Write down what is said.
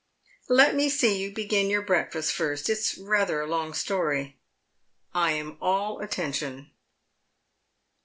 " Let me see you begin your breakfast first. It's rather a long story." " I am all attention."